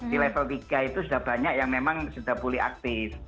di level tiga itu sudah banyak yang memang sudah pulih aktif